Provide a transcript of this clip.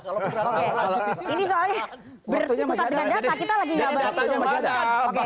kalau kemudian lanjutin